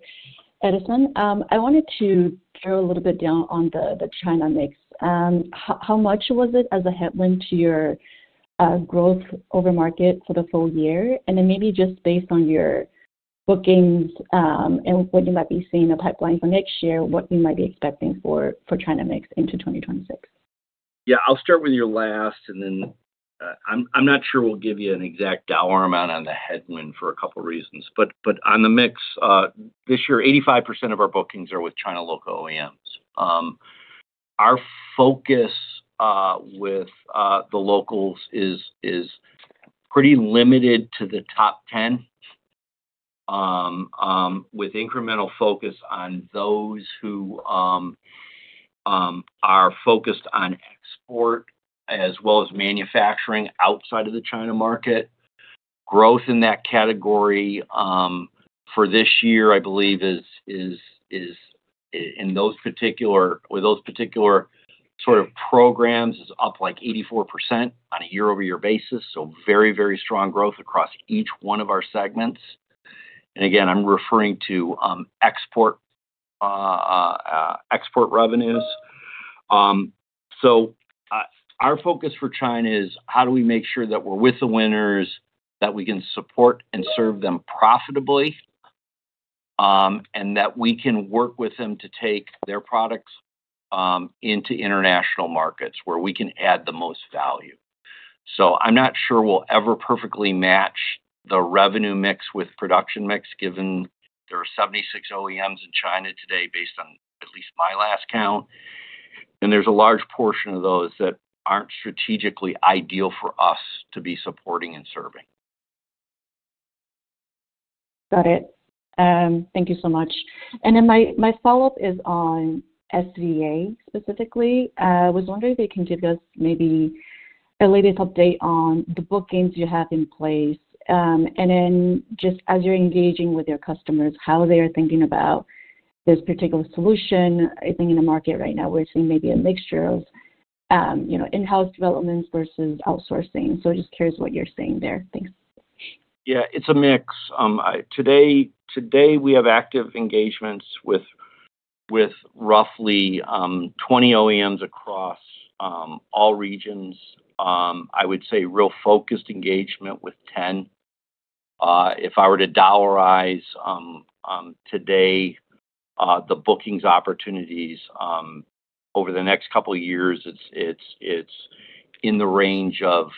Edison. I wanted to drill a little bit down on the China mix. How much was it as a headwind to your growth over market for the full year, and then maybe just based on your bookings and what you might be seeing in the pipeline for next year, what you might be expecting for China mix into 2026? Yeah, I'll start with your last and then I'm not sure we'll give you an exact dollar amount on the headwind for a couple reasons. On the mix this year, 85% of our bookings are with China local OEMs. Our focus with the locals is pretty limited to the top 10 with incremental focus on those who are focused on export as well as manufacturing outside of the China market. Growth in that category for this year I believe is in those particular, with those particular sort of programs is up like 84% on a year-over-year basis. Very, very strong growth across each one of our segments. Again, I'm referring to export, export revenues. Our focus for China is how do we make sure that we're with the winners, that we can support and serve them profitably and that we can work with them to take their products into international markets where we can add the most value. I'm not sure we'll ever perfectly match the revenue mix with production mix given there are 76 OEMs in China today based on at least my last count, and there's a large portion of those that aren't strategically ideal for us to be supporting and serving. Got it. Thank you so much. My follow up is on SVA specifically. I was wondering if you can give us maybe a latest update on the bookings you have in place, and then just as you're engaging with your customers, how they are thinking about this particular solution. I think in the market right now we're seeing maybe a mixture of in house developments versus outsourcing. Just curious what you're saying there. Thanks. Yeah, it's a mix. Today we have active engagements with roughly 20 OEMs across all regions. I would say real focused engagement with ten. If I were to dollarize today the bookings opportunities over the next couple years, it's in the range of,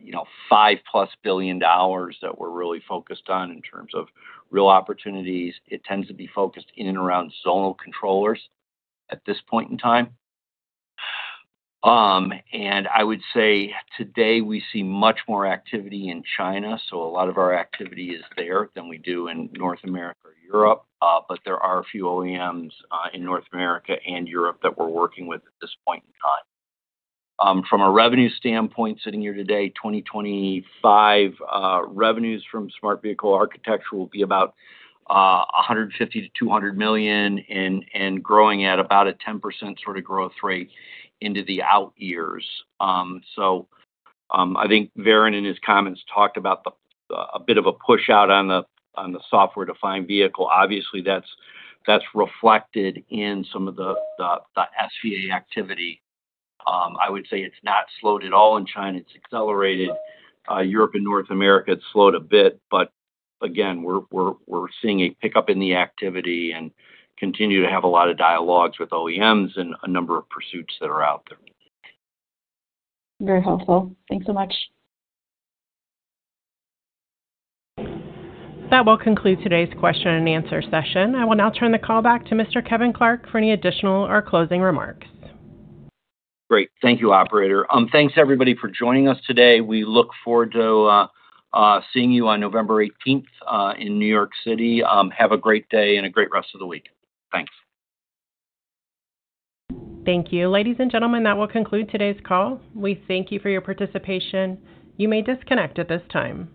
you know, $5+ billion that we're really focused on in terms of real opportunities. It tends to be focused in and around zonal controllers at this point in time. I would say today we see much more activity in China. A lot of our activity is there than we do in North America or Europe. There are a few OEMs in North America and Europe that we're working with at this point in time. From a revenue standpoint, sitting here today, 2025 revenues from Smart Vehicle Architecture will be about $150 million-$200 million and growing at about a 10% sort of growth rate into the out years. I think Varun in his comments talked about a bit of a push out on the software defined vehicle. Obviously that's reflected in some of the SVA activity. I would say it's not slowed at all. In China it's accelerated. Europe and North America, it slowed a bit, but again we're seeing a pickup in the activity and continue to have a lot of dialogues with OEMs and a number of pursuits that are out there. Very helpful. Thanks so much. That will conclude today's question and answer session. I will now turn the call back to Mr. Kevin Clark for any additional or closing remarks. Great. Thank you, operator. Thanks everybody for joining us today. We look forward to seeing you on November 18th in New York City. Have a great day and a great rest of the week. Thanks. Thank you, ladies and gentlemen. That will conclude today's call. We thank you for your participation. You may disconnect at this time.